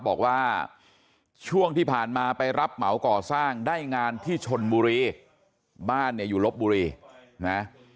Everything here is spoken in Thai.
บอกว่าช่วงที่ผ่านมาไปรับเหมาก่อสร้างได้งานที่ชนบุรีบ้านเนี่ยอยู่ลบบุรีนะ